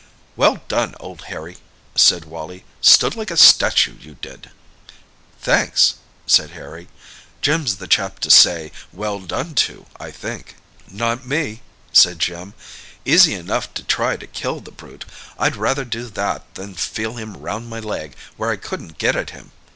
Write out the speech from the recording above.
"Well done, old Harry!" said Wally. "Stood like a statue, you did!" "Thanks!" said Harry. "Jim's the chap to say 'Well done' to, I think." "Not me," said Jim. "Easy enough to try to kill the brute. I'd rather do that than feel him round my leg, where I couldn't get at him."